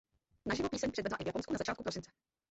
Naživo píseň předvedla i v Japonsku na začátku prosince.